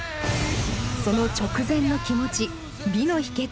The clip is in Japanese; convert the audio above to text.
その直前の気持ち美のひけつ